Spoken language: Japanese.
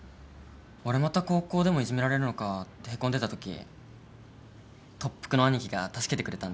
俺また高校でもいじめられるのかってへこんでたとき特服のアニキが助けてくれたんだ。